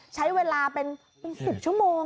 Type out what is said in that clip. ใช้เวลาเป็น๑๐ชั่วโมง